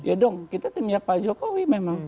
ya dong kita timnya pak jokowi memang